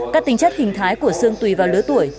các tính chất hình thái của sương tùy vào lứa tuổi